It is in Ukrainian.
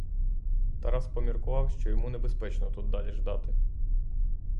Тарас поміркував, що йому небезпечно тут далі ждати.